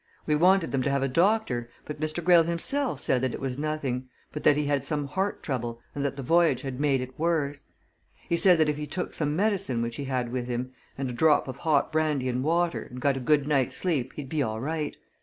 We wanted them to have a doctor but Mr. Greyle himself said that it was nothing, but that he had some heart trouble and that the voyage had made it worse. He said that if he took some medicine which he had with him, and a drop of hot brandy and water, and got a good night's sleep he'd be all right.